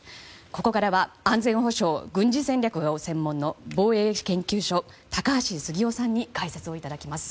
ここからは安全保障、軍事戦略がご専門の防衛研究所、高橋杉雄さんに解説をいただきます。